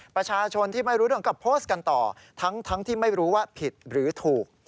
ประชาชนที่ไม่รู้เรื่องก็โพสต์กันต่อทั้งที่ไม่รู้ว่าผิดหรือถูก